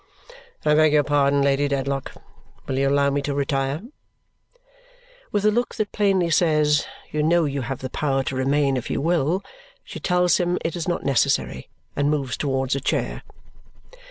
"I beg your pardon, Lady Dedlock. Will you allow me to retire?" With a look that plainly says, "You know you have the power to remain if you will," she tells him it is not necessary and moves towards a chair.